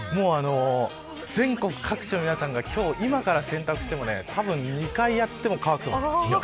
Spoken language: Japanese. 全国各地の皆さんが今日、今から洗濯してもたぶん２回やっても乾くと思います。